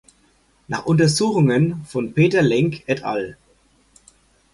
Nach Untersuchungen von Peter Lenk "et al.